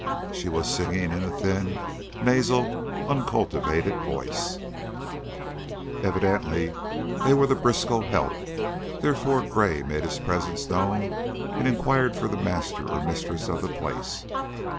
She was singing in a thin, nasal, uncultivated voice. Evidently they were the Briskow "help," therefore Gray made his presence known and inquired for the master or mistress of the place.